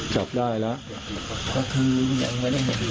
จับได้แล้ว